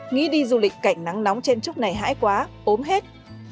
nghĩ đi du lịch cảnh nắng nóng trên trúc này hãi quá ốm hết